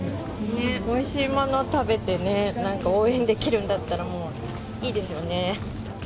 おいしいもの食べてね、なんか応援できるんだったら、もう、いいですよね。